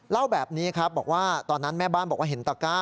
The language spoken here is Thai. เล่าแบบนี้ครับบอกว่าตอนนั้นแม่บ้านบอกว่าเห็นตะก้า